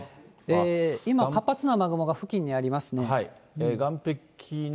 今、活発な雨雲が付近にありますので。